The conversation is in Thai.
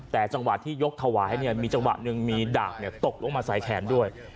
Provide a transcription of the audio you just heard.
แต่จังหวะที่ยกถวายมีจังหวะหนึ่งมีดาบตกลงมาใส่แขนด้วย